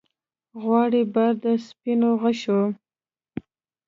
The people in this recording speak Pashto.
غواړي بار د سپینو غشو